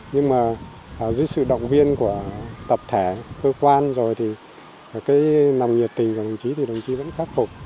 nhưng mà dưới sự động viên của tập thể cơ quan rồi thì cái lòng nhiệt tình của đồng chí thì đồng chí vẫn khắc phục